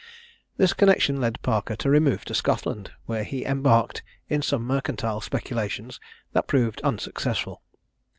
This connexion led Parker to remove to Scotland, where he embarked in some mercantile speculations that proved unsuccessful.